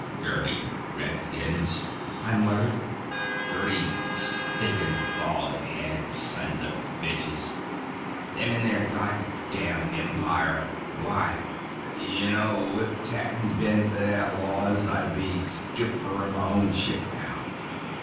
"Dirty redskins," I muttered. "Dirty, stinking, bald headed, sons of bitches. Them and their god damn Empire. Why, y'know, if 't hadn' been f' their laws I'd be skipper o' my own ship now.